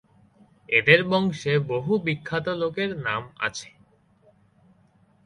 এঁদের বংশে বহু বিখ্যাত লোকের নাম আছে।